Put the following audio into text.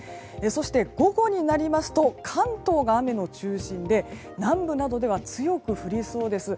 そして、午後になりますと関東が雨の中心で南部などでは強く降りそうです。